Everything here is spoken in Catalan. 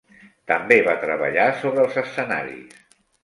També va treballar sobre els escenaris.